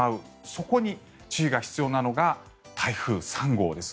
そこに注意が必要なのが台風３号です。